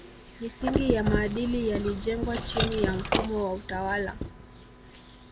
Misingi ya maadili yalijengwa chini ya mfumo wa utawala